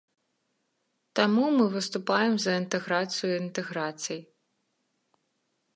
Таму мы выступаем за інтэграцыю інтэграцый.